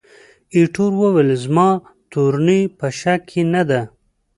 ایټور وویل، زما تورني په شک کې نه ده.